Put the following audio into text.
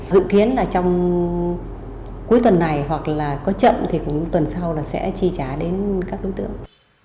dự kiến là trong cuối tuần này hoặc là có chậm thì cũng tuần sau là sẽ chi trả đến các đối tượng